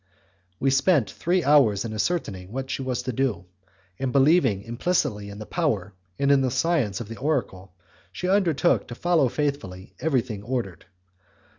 We spent three hours in ascertaining what she was to do, and, believing implicitly in the power and in the science of the oracle, she undertook to follow faithfully everything ordered.